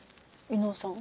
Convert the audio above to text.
伊能くん！